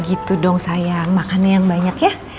gitu dong saya makannya yang banyak ya